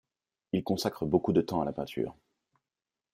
Il consacre beaucoup de temps à la peinture.